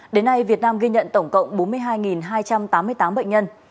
đến nay việt nam ghi nhận tổng cộng bốn mươi hai hai trăm tám mươi tám bệnh nhân